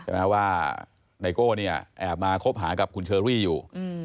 ว่าไนโก้เนี่ยแอบมาคบหากับคุณเชอรี่อยู่